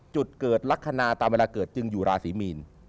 จุดเกิดลักษณะตามเวลาเกิดจึงอยู่ราศีมีน